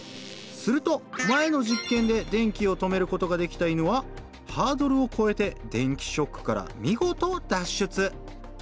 すると前の実験で電気を止めることができた犬はハードルをこえて電気ショックからみごと脱出！